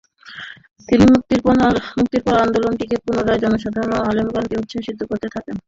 তিনি মুক্তির পর আন্দোলনটিতে পুনরায় জনসাধারন এবং আলেমগণকে উৎসাহিত করতে থাকেন।